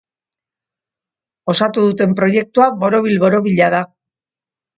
Osatu duten proiektua borobil-borobila da.